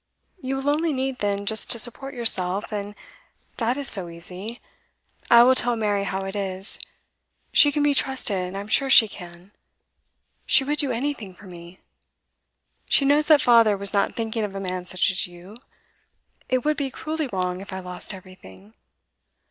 You will only need, then, just to support yourself, and that is so easy. I will tell Mary how it is. She can be trusted, I am sure she can. She would do anything for me. She knows that father was not thinking of a man such as you. It would be cruelly wrong if I lost everything.